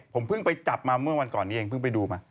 ผมเพิ่งไปจับมาเมื่อวันก่อนนี้เองเพิ่งไปดูมา